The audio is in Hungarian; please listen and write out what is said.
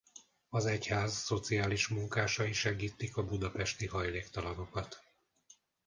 Az egyház szociális munkásai segítik a budapesti hajléktalanokat.